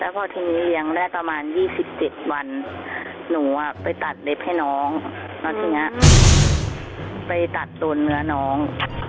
พอที่นี่เรียงได้ประมาณ๒๗วันหนูไปตัดเล็บให้น้องไปตัดโตนเนื้อน้อง